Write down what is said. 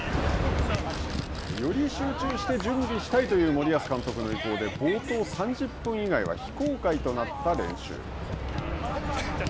より集中して準備したいという森保監督の意向で、冒頭３０分以外は非公開となった練習。